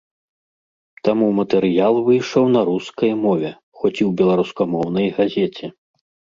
Таму матэрыял выйшаў на рускай мове, хоць і ў беларускамоўнай газеце.